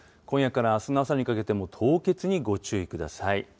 今夜からあすの朝にかけても凍結にご注意ください。